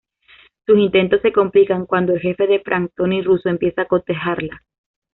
Sus intentos se complican cuando el jefe de Frank, Tony Russo, empieza a cortejarla.